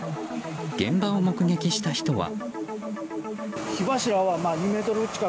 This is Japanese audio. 現場を目撃した人は。